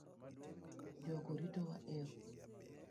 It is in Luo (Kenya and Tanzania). Jogo ritowa e yoo